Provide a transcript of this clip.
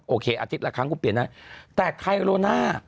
โอเคอาทิตย์ละครั้งกูเปลี่ยนน่ะแต่ไทโลน่า